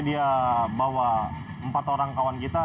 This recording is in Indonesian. dia bawa empat orang kawan kita